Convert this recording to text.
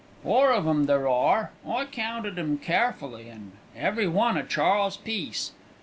"Four of 'em there are, I counted 'em carefully, an' every one a Charles Peace.